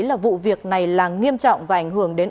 là vụ việc này là nghiêm trọng và ảnh hưởng đến